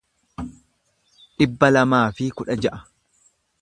dhibba lamaa fi kudha ja'a